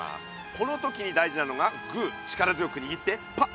この時に大事なのがグー力強くにぎってパッ！